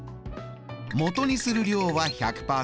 もとにする量は１００％。